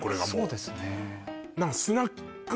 そうですね